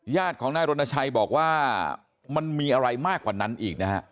ญาติของนายรณชัยบอกว่ามันมีอะไรมากกว่านั้นอีกนะฮะ